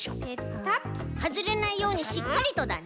はずれないようにしっかりとだね。